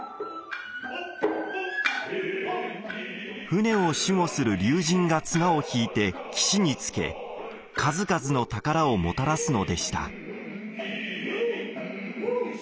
船を守護する龍神が綱を引いて岸に着け数々の宝をもたらすのでした。